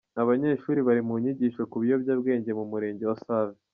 Abanyeshuri bari mu nyigisho ku biyobyabwenge mu murenge wa Save.